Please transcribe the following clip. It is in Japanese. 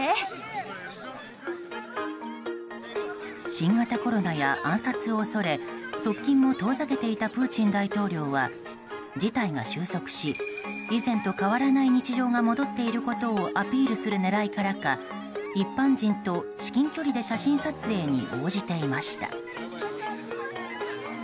新型コロナや暗殺を恐れ側近も遠ざけていたプーチン大統領は、事態が収束し以前と変わらない日常が戻っていることをアピールする狙いからか一般人と至近距離で写真撮影に応じていました。